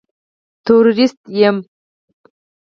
تورېست یم.